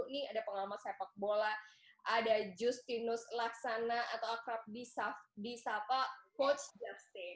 ini ada pengamat sepak bola ada justinus laksana atau akrab di sapa coach justin